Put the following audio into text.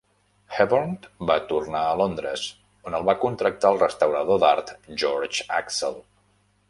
Hebborn va tornar a Londres, on el va contractar el restaurador d'art George Aczel.